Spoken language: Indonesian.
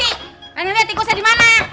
lihat lihat tikusnya dimana ya